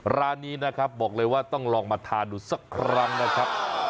ร้านนี้นะครับบอกเลยว่าต้องลองมาทานดูสักครั้งนะครับ